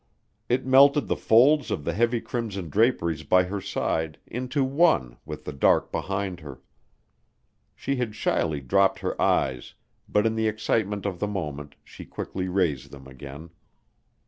It melted the folds of the heavy crimson draperies by her side into one with the dark behind her. She had shyly dropped her eyes, but in the excitement of the moment she quickly raised them again.